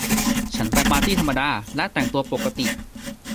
ฉันไปปาร์ตี้ธรรมดา และแต่งตัวปกติ